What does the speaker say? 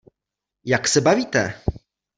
Jak se bavíte?